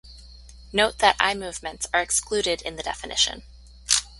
Note that eye movements are excluded in the definition.